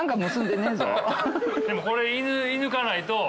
でもこれ射抜かないと。